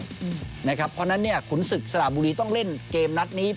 เพราะฉะนั้นขุนศึกสระบุรีต้องเล่นเกมนัดนี้